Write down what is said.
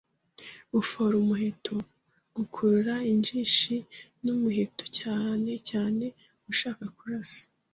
Gufora umuheto: gukurura injishi n’umuheto cyane cyane ushaka kurasa